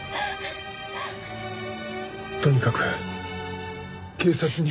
とにかく警察に。